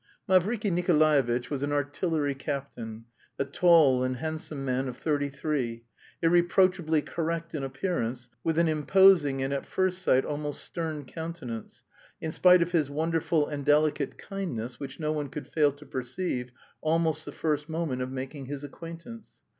Mavriky Nikolaevitch was an artillery captain, a tall and handsome man of thirty three, irreproachably correct in appearance, with an imposing and at first sight almost stern countenance, in spite of his wonderful and delicate kindness which no one could fail to perceive almost the first moment of making his acquaintance.